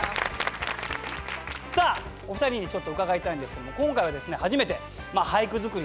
さあお二人にちょっと伺いたいんですけども今回はですね